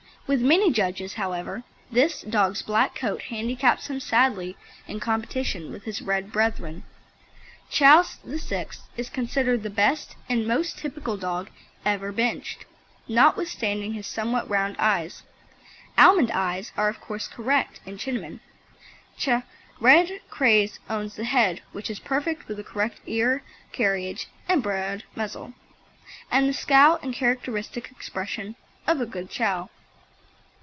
With many judges, however, this dog's black coat handicaps him sadly in competition with his red brethren. Chow VIII. is considered the best and most typical dog ever benched, notwithstanding his somewhat round eyes. Almond eyes are of course correct in Chinamen. Ch. Red Craze owns the head which is perfect with the correct ear carriage and broad muzzle, and the scowl and characteristic expression of a good Chow.